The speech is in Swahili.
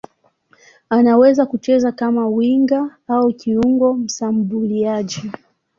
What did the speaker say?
Anaweza kucheza kama winga au kiungo mshambuliaji.